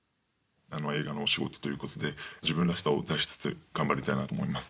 映画のお仕事ということで自分らしさを出しつつ頑張りたいなと思います。